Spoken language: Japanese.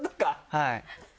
はい。